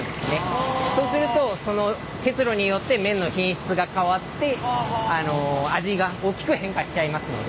そうするとその結露によって麺の品質が変わって味が大きく変化しちゃいますので。